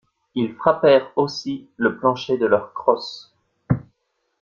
Ils frappèrent aussi le plancher de leurs crosses.